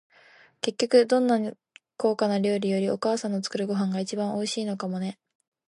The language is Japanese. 結局、どんなに高価な料理より、お母さんの作るご飯が一番おいしいのかもね。